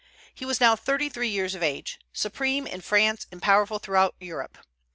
He was now thirty three years of age, supreme in France, and powerful throughout Europe.